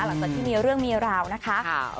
หลังจากที่มีเรื่องมีราวนะคะ